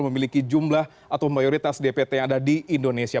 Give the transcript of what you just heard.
memiliki jumlah atau mayoritas dpt yang ada di indonesia